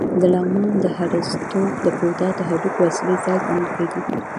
د لغمان د هده ستوپ د بودا د هډوکو اصلي ځای ګڼل کېږي